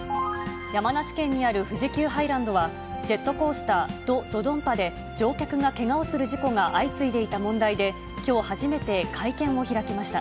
山梨県にある富士急ハイランドは、ジェットコースター、ド・ドドンパで乗客がけがをする事故が相次いでいた問題で、きょう初めて会見を開きました。